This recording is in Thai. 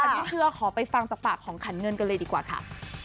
อันนี้เชื่อขอไปฟังจากปากของขันเงินกันเลยดีกว่าค่ะ